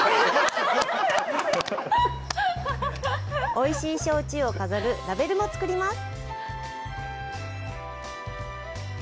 おいしい焼酎を飾るラベルも作ります。